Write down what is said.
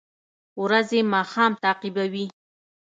ورځې ماښام تعقیبوي